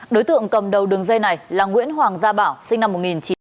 đối tượng cầm đầu đường dây này là nguyễn hoàng gia bảo sinh năm một nghìn chín trăm tám mươi